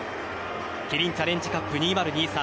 キリンチャレンジカップ２０２３